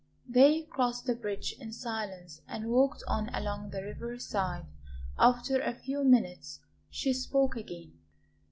They crossed the bridge in silence and walked on along the river side. After a few minutes she spoke again.